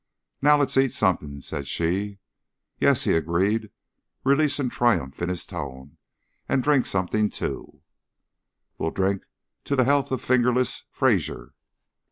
"Now let's eat something," said she. "Yes," he agreed, relief and triumph in his tone, "and drink something, too." "We'll drink to the health of 'Fingerless' Fraser."